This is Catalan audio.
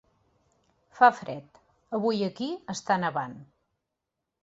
Fa fred, avui aquí està nevant.